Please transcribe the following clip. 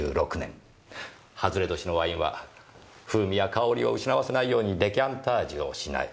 外れ年のワインは風味や香りを失わせないようにデカンタージュをしない。